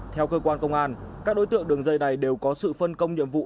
theo cơ quan công an các đối tượng đường dây này đều có sự phân công nhiệm vụ